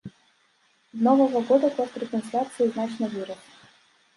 З новага года кошт рэтрансляцыі значна вырас.